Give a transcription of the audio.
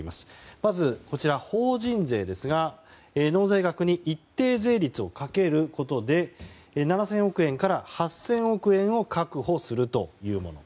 まず、法人税ですが納税額に一定税率をかけることで７０００億円から８億円を確保するというもの。